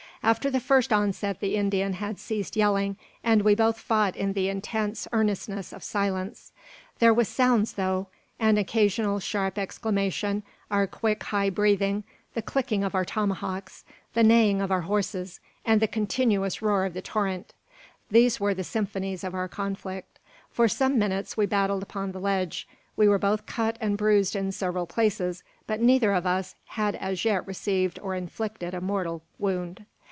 After the first onset the Indian had ceased yelling, and we both fought in the intense earnestness of silence. There were sounds, though: an occasional sharp exclamation, our quick, high breathing, the clinking of our tomahawks, the neighing of our horses, and the continuous roar of the torrent. These were the symphonies of our conflict. For some minutes we battled upon the ledge. We were both cut and bruised in several places, but neither of us had as yet received or inflicted a mortal wound.